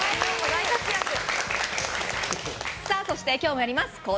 そして今日もやります。